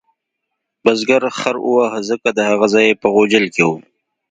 بزګر خر وواهه ځکه د هغه ځای په غوجل کې و.